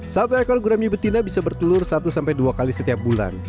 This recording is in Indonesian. satu ekor gurami betina bisa bertelur satu sampai dua kali setiap bulan